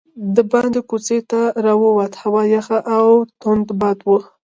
دباندې کوڅې ته راووتو، هوا یخه او توند باد و.